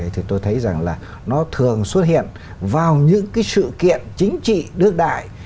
thì tôi thấy rằng là nó thường xuất hiện vào những cái sự kiện chính trị đước đại